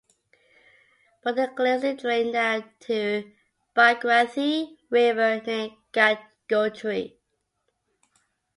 Both the glacier drain down to Bhagirathi River near Gangotri.